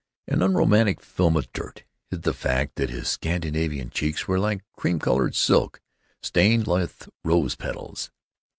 An unromantic film of dirt hid the fact that his Scandinavian cheeks were like cream colored silk stained with rose petals.